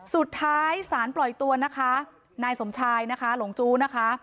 สุดท้ายสารปล่อยตัวนะคะนายสมชายนะคะหลงจู้นะคะ